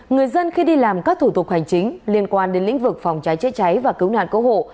người dân khi đi làm các thủ tục hành chính liên quan đến lĩnh vực phòng cháy chữa cháy và cứu nạn cứu hộ